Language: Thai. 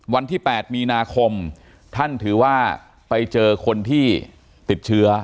วันที่๘มีนาคมท่านถือว่าไปเจอคนที่ติดเชื้อ